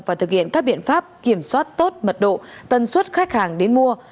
và thực hiện các biện pháp kiểm soát tốt mật độ tân suất khách hàng đến mua